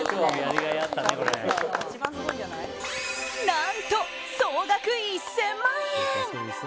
何と、総額１０００万円。